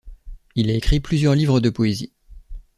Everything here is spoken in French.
Il a écrit plusieurs livres de poésie.